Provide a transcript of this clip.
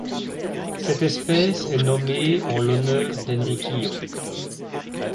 Cette espèce est nommée en l'honneur d'Enriquillo.